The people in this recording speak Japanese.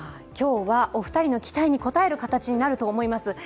今日はお二人の期待に応える形になると思います。